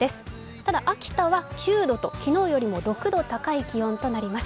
ただ、秋田は９度と昨日よりも６度高い気温となります。